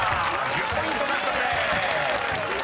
１０ポイント獲得です］